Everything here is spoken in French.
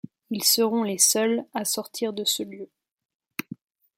Ils seront les seuls à sortir de ce lieu.